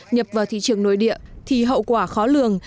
nhập vào thị trường nội địa thì hậu quả khó lường